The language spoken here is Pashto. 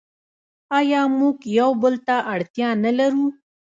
آیا موږ یو بل ته اړتیا نلرو؟